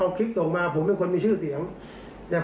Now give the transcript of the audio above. เอาคลิปส่งมาผมเป็นคนมีชื่อเสียง